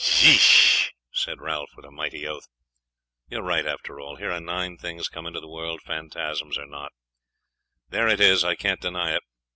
'!' said Raphael with a mighty oath; 'you are right after all! Here are nine things come into the world, phantasms or not, there it is; I can't deny it.